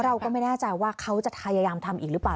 เราก็ไม่แน่ใจว่าเขาจะพยายามทำอีกหรือเปล่า